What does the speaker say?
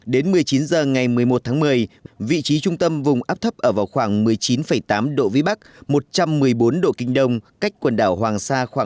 đến một mươi chín h ngày một mươi một tháng một mươi vị trí trung tâm vùng áp thấp ở vào khoảng một mươi chín tám độ vĩ bắc một trăm một mươi bốn độ kinh đông